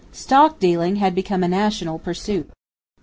Stock dealing had become a national pursuit.